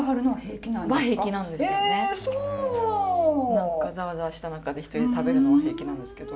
何かざわざわした中で一人で食べるのは平気なんですけど。